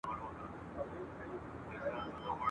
چي زه دي ساندي اورېدلای نه سم ..